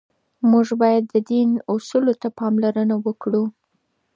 موږ باید د دین اصولو ته پاملرنه وکړو.